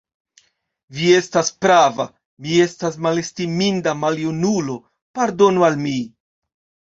Vi estas prava, mi estas malestiminda maljunulo; pardonu al mi.